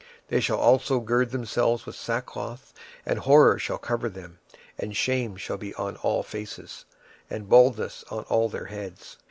26:007:018 They shall also gird themselves with sackcloth, and horror shall cover them; and shame shall be upon all faces, and baldness upon all their heads.